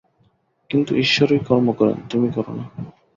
কিন্তু ঈশ্বরই কর্ম করেন, তুমি কর না।